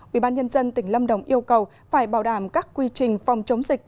ubnd tỉnh lâm đồng yêu cầu phải bảo đảm các quy trình phòng chống dịch